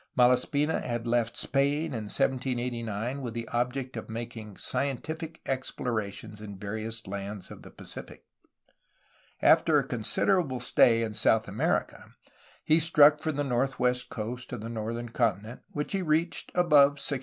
Malaspina had left Spain in 1789 with the object of making scientific explora tions in various lands of the Pacific. After a considerable stay in South America, he struck for the northwest coast of the northern continent, which he reached above 60°.